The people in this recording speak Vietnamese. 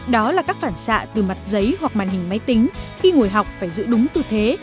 đó là các phản xạ từ mặt giấy hoặc màn hình máy tính khi ngồi học phải giữ đúng tư thế